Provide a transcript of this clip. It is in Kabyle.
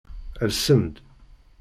Alsem-d.